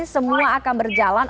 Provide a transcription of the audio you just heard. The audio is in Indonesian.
semua akan berjalan